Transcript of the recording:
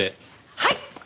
はい！